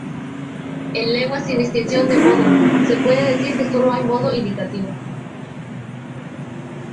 En lenguas sin distinción de modo, se puede decir que solo hay modo indicativo.